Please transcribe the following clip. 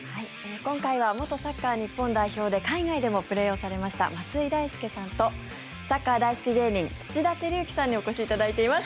今回は元サッカー日本代表で海外でもプレーをされました松井大輔さんとサッカー大好き芸人土田晃之さんにお越しいただいています。